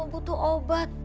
mama butuh obat